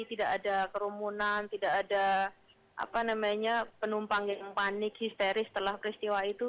tidak ada kerumunan tidak ada penumpang yang panik histeris setelah peristiwa itu